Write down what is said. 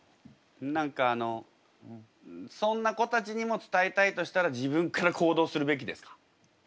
何かあのそんな子たちにも伝えたいとしたら自分から行動するべきですか？